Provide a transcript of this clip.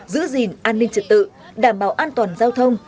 giữ gìn an ninh trật tự đảm bảo an toàn giao thông